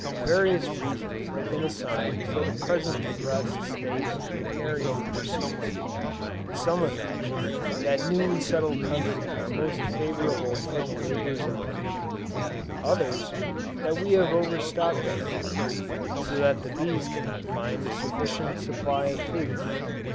Various reasons have been assigned for the present depressed state of Apiarian pursuits. Some imagine that newly settled countries are most favorable for the labors of the bee: others, that we have overstocked our farms, so that the bees cannot find a sufficient supply of food.